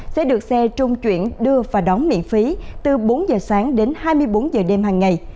sẽ được xe trung chuyển đưa và đón miễn phí từ bốn h sáng đến hai mươi bốn h đêm hàng ngày